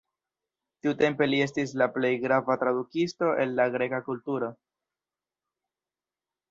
Tiutempe li estis la plej grava tradukisto el la greka kulturo.